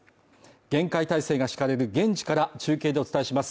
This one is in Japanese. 厳戒態勢が敷かれる現地から中継でお伝えします。